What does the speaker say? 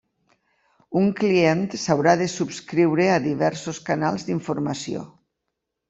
Un client s'haurà de subscriure a diversos canals d'informació.